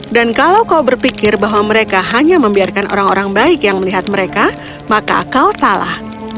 dan kalau kau berpikir bahwa mereka hanya membiarkan orang orang baik yang melihat mereka maka kau salah